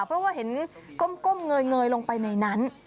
เพราะว่าเห็นก้มเงยลงไปในนั้น